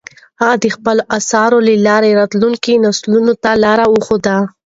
هغه د خپلو اثارو له لارې راتلونکو نسلونو ته لار وښوده.